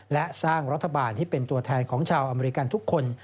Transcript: และสร้างรัฐบาลที่เป็นตัวแทนของชาวอเมริกันทุกคน